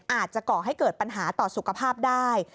ก่อให้เกิดปัญหาต่อสุขภาพได้